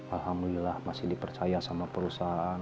alhamdulillah masih dipercaya sama perusahaan